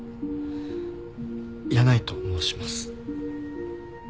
箭内と申します。